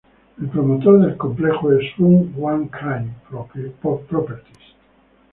El promotor del complejo es Sun Hung Kai Properties.